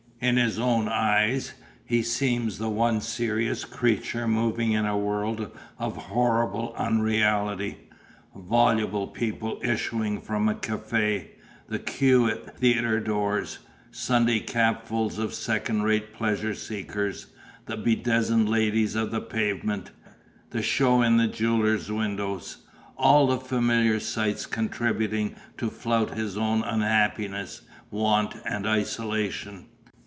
In his own eyes, he seems the one serious creature moving in a world of horrible unreality; voluble people issuing from a cafe, the queue at theatre doors, Sunday cabfuls of second rate pleasure seekers, the bedizened ladies of the pavement, the show in the jewellers' windows all the familiar sights contributing to flout his own unhappiness, want, and isolation.